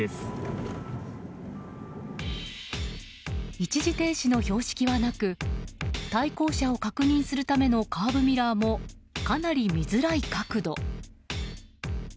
一時停止の標識はなく対向車を確認するためのカーブミラーもかなり見づらい角度。